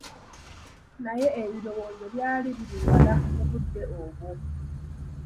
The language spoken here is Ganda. Naye ebirowoozo byali biri wala mudde obwo.